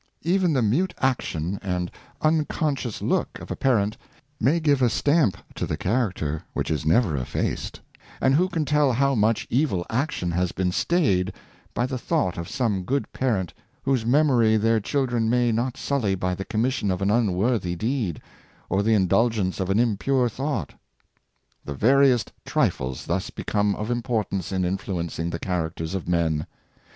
Even the mute action and unconscious look of a parent may give a stamp to the character which is never effaced; and who can tell how much evil action has been stayed by the thought of some good parent, whose memory their children may not sully by the commission of an unworthy deed, or the indulgence of an impure thought.^ The veriest trifles thus become of importance in influencing the characters of men.